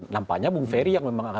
nampaknya bung ferry yang memang